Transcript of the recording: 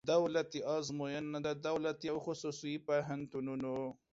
دولتي آزموینه د دولتي او خصوصي پوهنتونونو